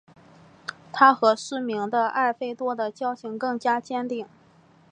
他和失明的艾费多的交情更加坚定。